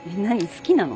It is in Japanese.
好きなの？